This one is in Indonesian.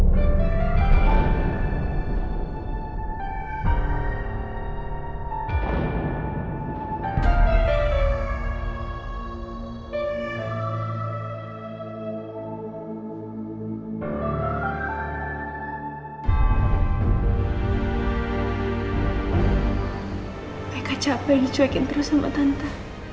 mereka capai dicuekin terus sama tante